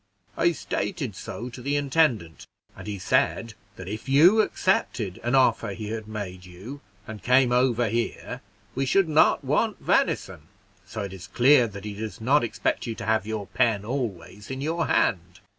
I stated so to the intendant, and he said that if you accepted an offer he had made you, and came over here, we should not want venison; so it is clear that he does not expect you to have your pen always in your hand."